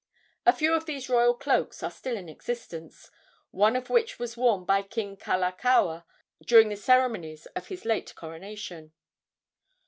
A few of these royal cloaks are still in existence, one of which was worn by King Kalakaua during the ceremonies of his late coronation.